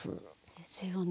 ですよね。